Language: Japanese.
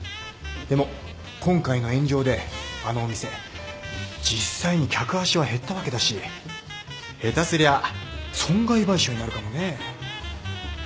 でも今回の炎上であのお店実際に客足は減ったわけだし下手すりゃ損害賠償になるかもねぇ